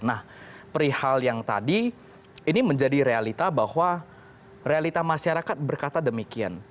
nah perihal yang tadi ini menjadi realita bahwa realita masyarakat berkata demikian